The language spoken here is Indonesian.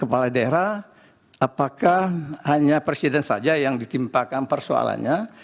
kepala daerah apakah hanya presiden saja yang ditimpakan persoalannya